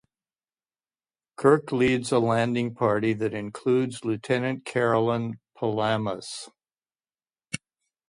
Kirk leads a landing party that includes Lieutenant Carolyn Palamas.